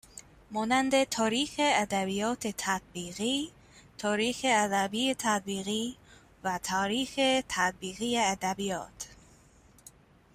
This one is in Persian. مانند تاریخ ادبیات تطبیقی تاریخ ادبی تطبیقی و تاریخ تطبیقی ادبیات